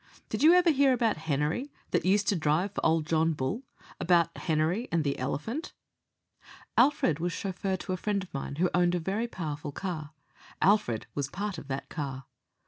Did you ever hear about Henery, that used to drive for old John Bull about Henery and the elephant?" Alfred was chauffeur to a friend of mine who owned a very powerful car. Alfred was part of that car.